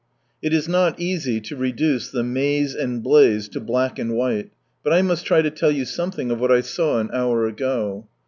It is not easy to reduce the raase and blaze to b'ack and white, but I must try to tell you something of what I saw an hour ago.